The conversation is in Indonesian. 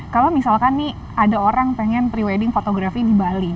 kalau misalkan nih ada orang pengen pre wedding fotografi di bali